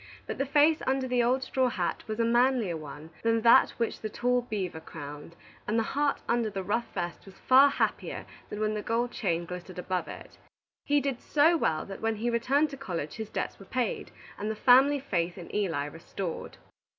But the face under the old straw hat was a manlier one than that which the tall beaver crowned, and the heart under the rough vest was far happier than when the gold chain glittered above it. He did so well that when he returned to college his debts were paid, and the family faith in Eli restored.